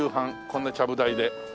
こんなちゃぶ台で。